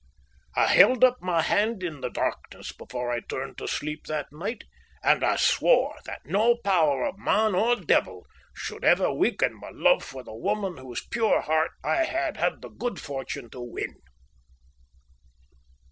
I held up my hand in the darkness before I turned to sleep that night, and I swore that no power of man or devil should ever weaken my love for the woman whose pure heart I had had the good fortune to win.